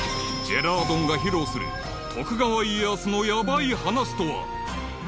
［ジェラードンが披露する徳川家康のヤバい話とは］